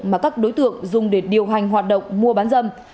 mà các đối tượng dùng để điều hành hoạt động mua bán dâm